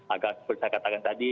agar seperti saya katakan tadi